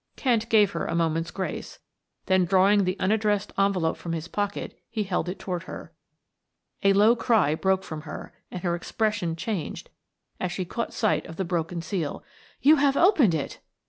Kent gave her a moment's grace, then drawing out the unaddressed envelope from his pocket he held it toward her. A low cry broke from her, and her expression changed as she caught sight of the broken seal. "You have opened it!"